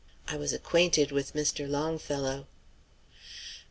I was acquainted with Mr. Longfellow."